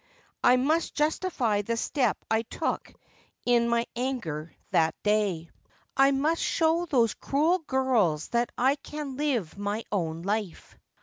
I must justify the step 1 lojic in Lizzies Failure. 341 my anger that day. I must show those cruel girls that I can live my own life.